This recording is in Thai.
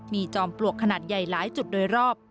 มีจอมปลวกขนาดใหญ่หลายจุดโดยรอบ